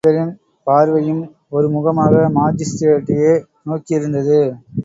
கூடியிருந்த அனைவரின் பார்வையும் ஒரு முகமாக மாஜிஸ்திரேட்டையே நோக்கியிருந்தது.